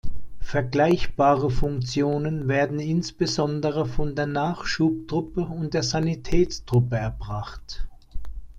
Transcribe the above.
Vergleichbare Funktionen werden insbesondere von der Nachschubtruppe und der Sanitätstruppe erbracht.